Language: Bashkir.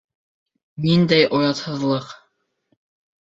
Ниндәй оятһыҙлыҡ!